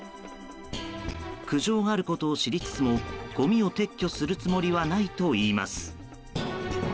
苦情があることを知りつつもごみを撤去するつもりはないといいます。